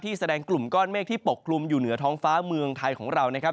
แสดงกลุ่มก้อนเมฆที่ปกคลุมอยู่เหนือท้องฟ้าเมืองไทยของเรานะครับ